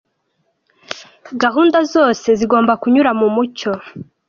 Gahunda zose zigomba kunyura mu mucyo.